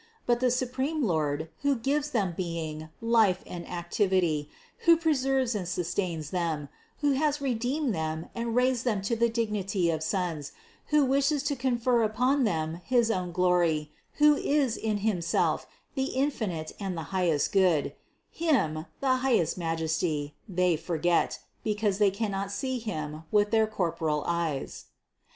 But the supreme Lord, who gives them being, life and activity, who preserves and sustains them, who has redeemed them and raised them to the dignity of sons, who wishes to confer upon them his own glory, who is in Himself the infinite and the high est Good; Him, the highest Majesty, they forget, because they cannot see Him with their corporal eyes.